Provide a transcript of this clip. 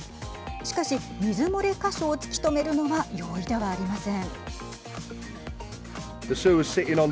しかし、水漏れ箇所を突き止めるのは容易ではありません。